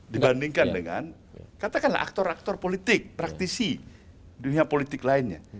dibandingkan dengan katakanlah aktor aktor politik praktisi dunia politik lainnya